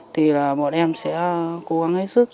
thì bọn em sẽ cố gắng hết sức